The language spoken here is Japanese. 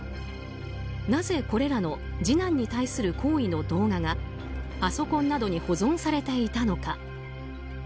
なぜ、これらの次男に対する行為の動画がパソコンなどに保存されていたのか。